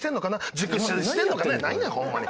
「熟睡してんのかな」やないねんホンマに。